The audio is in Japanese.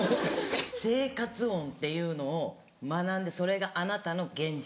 生活音っていうのを学んでそれがあなたの現実。